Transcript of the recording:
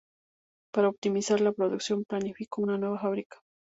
Para optimizar la producción planificó una nueva fábrica.